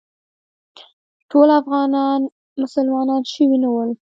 ټول افغانان مسلمانان شوي نه ول.